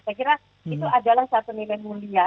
saya kira itu adalah satu nilai mulia